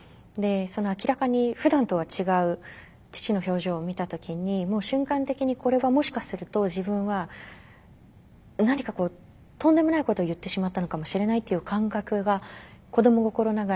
明らかにふだんとは違う父の表情を見た時にもう瞬間的にこれはもしかすると自分は何かとんでもないことを言ってしまったのかもしれないという感覚が子ども心ながらにあったんですよね。